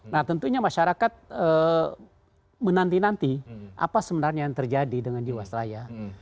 nah tentunya masyarakat menanti nanti apa sebenarnya yang terjadi dengan jiwasraya